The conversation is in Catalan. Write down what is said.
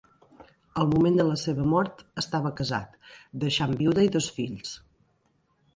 Al moment de la seva mort estava casat, deixant vídua i dos fills.